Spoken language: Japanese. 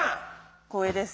光栄です。